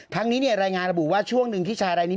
ทั้งนี้รายงานระบุว่าช่วงหนึ่งที่ชายรายนี้